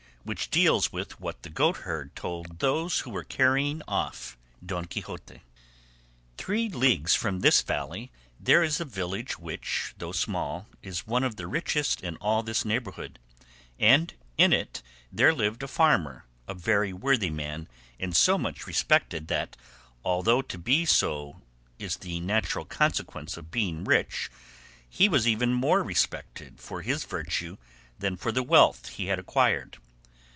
WHICH DEALS WITH WHAT THE GOATHERD TOLD THOSE WHO WERE CARRYING OFF DON QUIXOTE Three leagues from this valley there is a village which, though small, is one of the richest in all this neighbourhood, and in it there lived a farmer, a very worthy man, and so much respected that, although to be so is the natural consequence of being rich, he was even more respected for his virtue than for the wealth he had acquired.